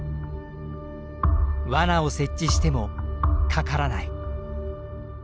わなを設置してもかからない。